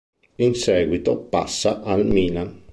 In seguito passa al Milan.